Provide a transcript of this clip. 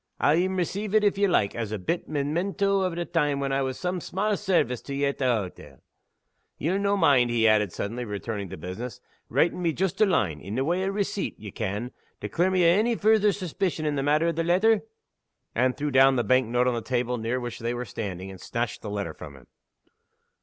I'll een receive it, if ye like, as a bit Memento o' the time when I was o' some sma' sairvice to ye at the hottle. Ye'll no' mind," he added, suddenly returning to business, "writin' me joost a line in the way o' receipt, ye ken to clear me o' ony future suspicion in the matter o' the letter?" Anne threw down the bank note on the table near which they were standing, and snatched the letter from him.